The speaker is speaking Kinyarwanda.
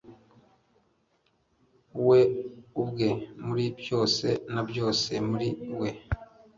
We ubwe muri byose na byose muri we